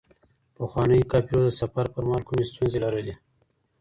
پخوانیو قافلو د سفر پر مهال کومي ستونزي لرلې؟